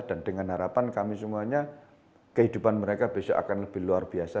dan dengan harapan kami semuanya kehidupan mereka besok akan lebih luar biasa